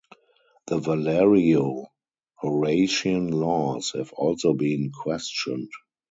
The Valerio-Horatian Laws have also been questioned.